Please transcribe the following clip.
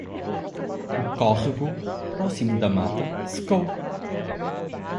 O córrego, próximo da mata, secou!